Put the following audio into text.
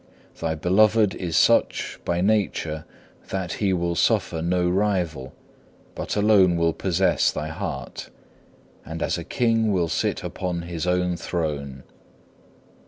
Thy Beloved is such, by nature, that He will suffer no rival, but alone will possess thy heart, and as a king will sit upon His own throne.